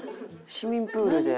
市民プールで？